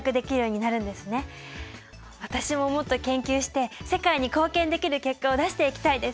私ももっと研究して世界に貢献できる結果を出していきたいです！